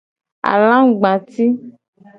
Alagba ti.